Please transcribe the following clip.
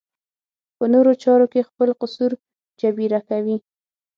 په نورو چارو کې خپل قصور جبېره کوي.